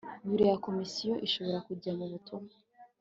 biro ya komisiyo ishobora kujya mu butumwa